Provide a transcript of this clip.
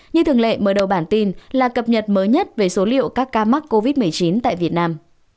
như thường lệ mở đầu bản tin là cập nhật mới nhất về số liệu các ca mắc covid một mươi chín tại việt nam